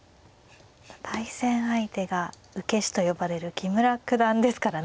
対戦相手が受け師と呼ばれる木村九段ですからね